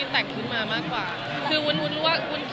โทรมาถามกับวุญ